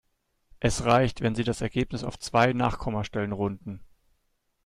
Es reicht, wenn Sie das Ergebnis auf zwei Nachkommastellen runden.